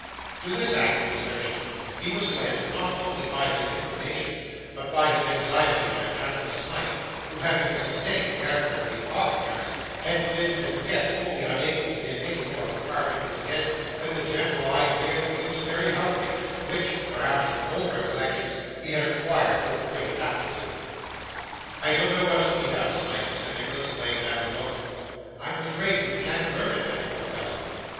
To this act of desertion he was led, not only by his own inclinations, but by his anxiety on account of Smike, who, having to sustain the character of the Apothecary, had been as yet wholly unable to get any more of the part into his head than the general idea that he was very hungry, which perhaps from old recollections he had acquired with great aptitude. 'I don't know what's to be done, Smike,' said Nicholas, laying down the book. 'I am afraid you can't learn it, my poor fellow.